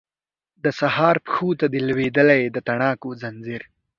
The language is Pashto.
د سهار پښو ته دی لویدلی د تڼاکو ځنځیر